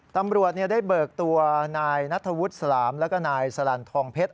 ตำรวจได้เบิกตัวนายนัทธวุฒิสลามแล้วก็นายสลันทองเพชร